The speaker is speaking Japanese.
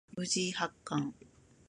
藤井八冠